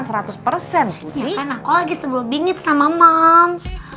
ya kan aku lagi sebel bingit sama mams